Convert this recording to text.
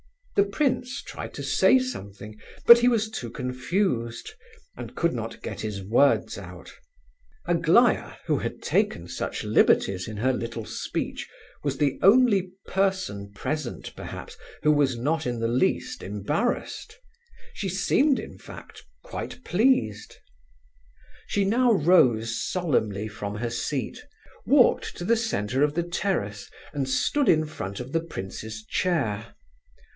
The prince tried to say something, but he was too confused, and could not get his words out. Aglaya, who had taken such liberties in her little speech, was the only person present, perhaps, who was not in the least embarrassed. She seemed, in fact, quite pleased. She now rose solemnly from her seat, walked to the centre of the terrace, and stood in front of the prince's chair.